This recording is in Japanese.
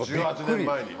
１８年前に。